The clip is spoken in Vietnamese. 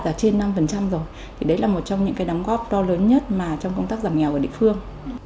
đạt trên năm rồi thì đấy là một trong những cái đóng góp to lớn nhất mà trong công tác giảm nghèo ở địa phương